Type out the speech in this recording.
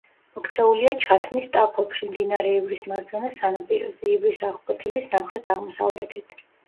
მოქცეულია ჩათმის ტაფობში, მდინარე ივრის მარჯვენა სანაპიროზე, ივრის აღკვეთილის სამხრეთ-აღმოსავლეთით.